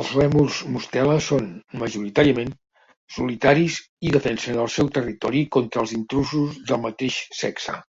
Els lèmurs mostela són, majoritàriament, solitaris i defensen el seu territori contra els intrusos del mateix sexe.